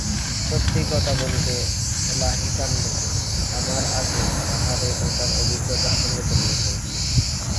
সত্যি কথা বলতে এলাহিকাণ্ড, আমার আগের পাহাড়ে ওঠার অভিজ্ঞতার সঙ্গে তুলনা করলে।